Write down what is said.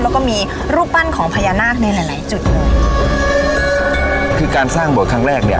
แล้วก็มีรูปปั้นของพญานาคในหลายหลายจุดเลยคือการสร้างโบสถครั้งแรกเนี้ย